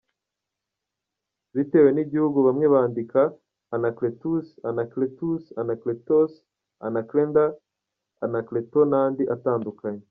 Bitewe n’igihugu bamwe bandika anacletus, anakletus, anáklētos, anakelda, anakleto n’andi atandukanaye.